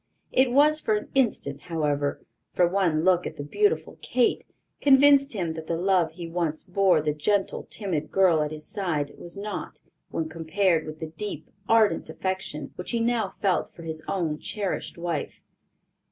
It was for an instant, however; for one look at the beautiful Kate convinced him that the love he once bore the gentle, timid girl at his side was nought, when compared with the deep, ardent affection which he now felt for his own cherished wife.